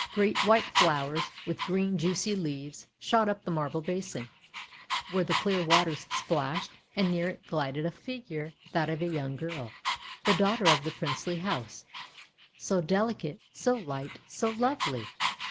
Great white flowers, with green juicy leaves, shot up the marble basin, where the clear waters splashed, and near it glided a figure, that of a young girl, the daughter of the princely house — so delicate, so light, so lovely!